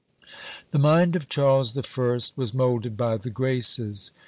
The mind of Charles the First was moulded by the Graces.